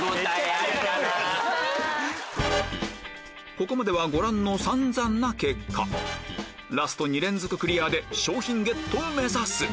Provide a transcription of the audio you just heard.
ここまではご覧の散々な結果ラスト２連続クリアで賞品ゲットを目指す